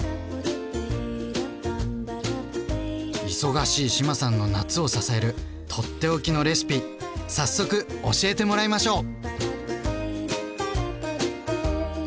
忙しい志麻さんの夏を支える取って置きのレシピ早速教えてもらいましょう！